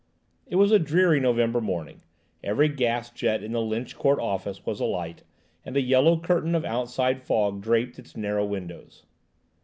It was a dreary November morning; every gas jet in the Lynch Court office was alight, and a yellow curtain of outside fog draped its narrow windows.